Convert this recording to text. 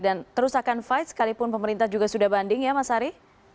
dan terus akan fight sekalipun pemerintah juga sudah banding ya mas ari